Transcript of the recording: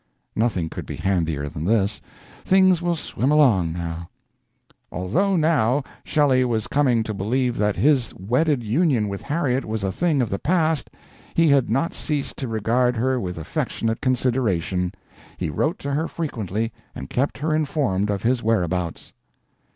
Nothing could be handier than this; things will swim along now. "Although now Shelley was coming to believe that his wedded union with Harriet was a thing of the past, he had not ceased to regard her with affectionate consideration; he wrote to her frequently, and kept her informed of his whereabouts."